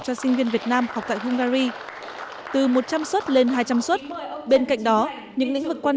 cho sinh viên việt nam học tại hungary từ một trăm linh suất lên hai trăm linh suất bên cạnh đó những lĩnh vực quan